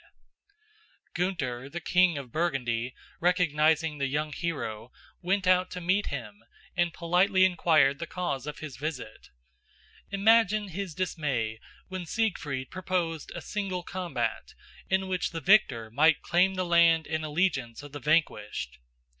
[Illustration: SIEGFRIED CAME OFF VICTOR IN EVERY ENCOUNTER] Gunther, the king of Burgundy, recognizing the young hero, went out to meet him and politely inquired the cause of his visit. Imagine his dismay when Siegfried proposed a single combat, in which the victor might claim the land and allegiance of the vanquished.